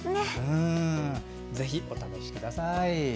ぜひお試しください。